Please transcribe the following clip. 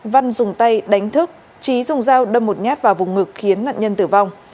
văn dùng tay đánh thức trí dùng dao đâm một nhát vào vùng ngực khiến nạn nhân tử vong